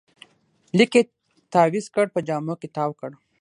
لیک یې تاویز کړ، په جامو کې تاوکړ